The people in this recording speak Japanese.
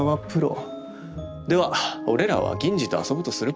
では俺らは銀次と遊ぶとするか？